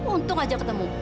untung aja ketemu